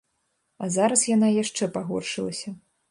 А зараз яна яшчэ пагоршылася.